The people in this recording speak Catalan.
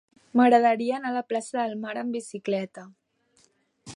M'agradaria anar a la plaça del Mar amb bicicleta.